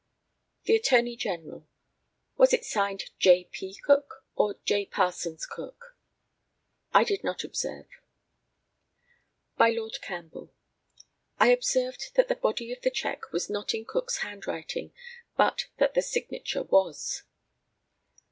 The ATTORNEY GENERAL: Was it signed J. P. Cook, or J. Parsons Cook? I did not observe. By Lord CAMPBELL: I observed that the body of the cheque was not in Cook's handwriting, but that the signature was.